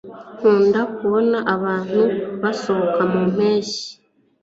Nkunda kubona abantu basohoka mu mpeshyi